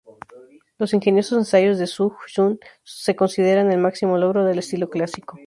Los ingeniosos ensayos de Su Xun se consideran el máximo logro del estilo clásico.